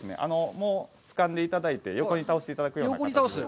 もう、つかんでいただいて、横に倒していただくような形で。